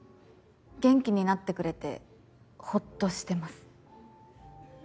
元気になってくれてほっとしてます。